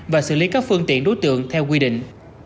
và xử lý các phương tiện đối tượng theo quy định